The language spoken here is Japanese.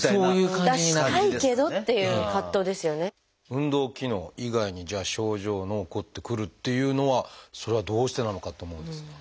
運動機能以外にじゃあ症状の起こってくるっていうのはそれはどうしてなのかと思うんですが。